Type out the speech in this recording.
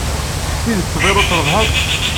S tidet tebɣiḍ ad trebḥeḍ?